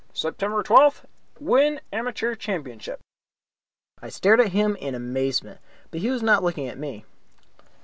September twelfth win Amateur Championship." I stared at him in amazement, but he was not looking at me.